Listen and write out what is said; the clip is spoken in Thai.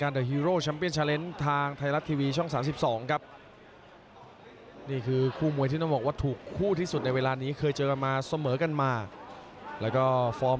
เร็วทันใจเหลือเกินครับอุธมเล็ก